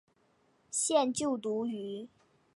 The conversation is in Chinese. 现就读于。